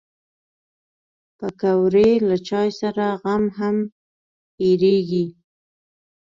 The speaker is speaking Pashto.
پکورې له چای سره غم هم هېرېږي